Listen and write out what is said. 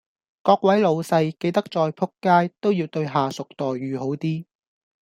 各位老細記得再仆街都要對下屬待遇好啲